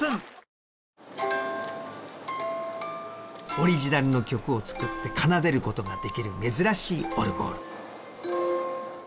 オリジナルの曲を作って奏でる事ができる珍しいオルゴール。